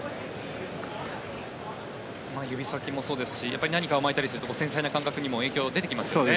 指先もそうですし何か巻いたりすると繊細な感覚にも影響が出てきますからね。